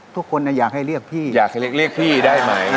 ทุกคนอยากให้เรียกพี่อยากให้เรียกพี่ได้ไหม